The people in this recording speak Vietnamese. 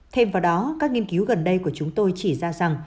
thêm vào đó các nghiên cứu gần đây của chúng tôi chỉ ra rằng